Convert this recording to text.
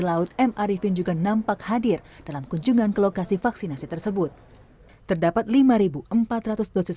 laut m arifin juga nampak hadir dalam kunjungan ke lokasi vaksinasi tersebut terdapat lima ribu empat ratus dosis